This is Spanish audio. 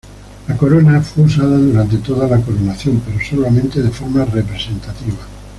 La corona fue usada durante toda la coronación, pero solamente de forma representativa.